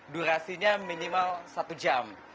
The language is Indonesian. durasinya minimal satu jam